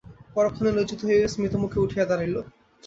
পরক্ষণেই লজ্জিত হইয়া স্মিতমুখে উঠিয়া দাঁড়াইল।